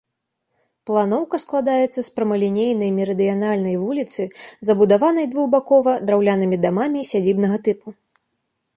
Планоўка складаецца з прамалінейнай мерыдыянальнай вуліцы, забудаванай двухбакова драўлянымі дамамі сядзібнага тыпу.